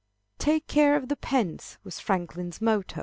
Take care of the pence, was Franklin's motto.